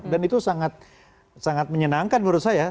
itu sangat menyenangkan menurut saya